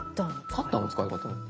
「カッターの使い方」？